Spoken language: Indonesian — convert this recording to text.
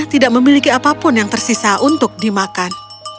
tidak memiliki apapun yang tersisa untuk dimakan